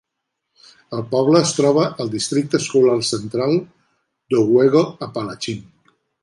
El poble es troba al Districte Escolar Central d'Owego-Apalachin.